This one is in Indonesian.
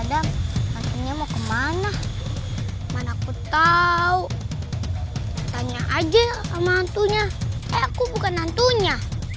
ada maksudnya mau kemana mana aku tahu tanya aja sama antunya aku bukan nantunya